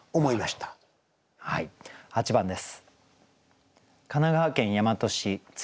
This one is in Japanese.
８番です。